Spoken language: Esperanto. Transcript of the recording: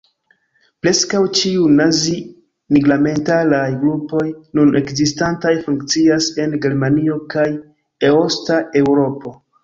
Preskaŭ ĉiuj nazi-nigramentalaj grupoj nun ekzistantaj funkcias en Germanio kaj Eosta Eŭropo.